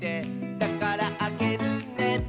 「だからあげるね」